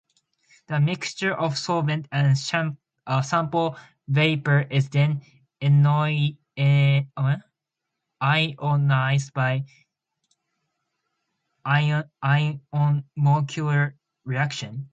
The mixture of solvent and sample vapor is then ionized by ion-molecule reaction.